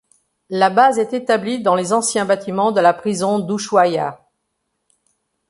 La base est établie dans les anciens bâtiments de la prison d'Ushuaïa.